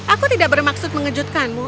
aku tidak bermaksud mengejutkanmu